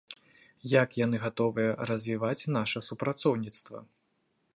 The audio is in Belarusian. Як яны гатовыя развіваць наша супрацоўніцтва.